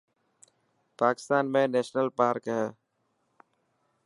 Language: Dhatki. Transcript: پاڪستان ۾ نيشنل پارڪ هي.